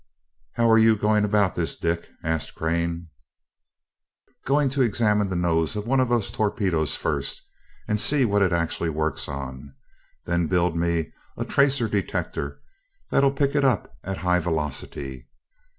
"How are you going about this, Dick?" asked Crane. "Going to examine the nose of one of those torpedoes first, and see what it actually works on. Then build me a tracer detector that'll pick it up at high velocity.